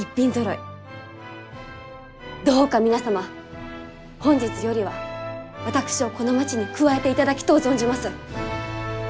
どうか皆様本日よりは私をこの町に加えていただきとう存じます。